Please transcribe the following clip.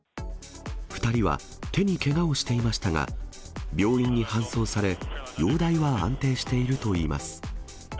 ２人は手にけがをしていましたが、病院に搬送され、容体は安定しているといいます。